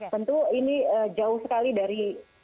tentu ini jauh sekali dari